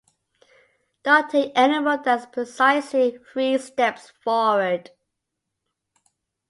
Don't take any more than precisely three steps forward.